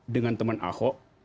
dengan teman ahok